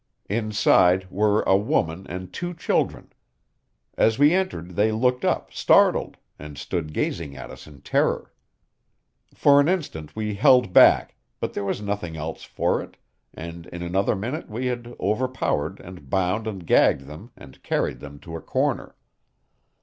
Inside were a woman and two children. As we entered they looked up, startled, and stood gazing at us in terror. For an instant we held back, but there was nothing else for it; and in another minute we had overpowered and bound and gagged them and carried them to a corner.